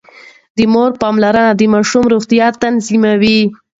د مور پاملرنه د ماشوم روغتيا تضمينوي.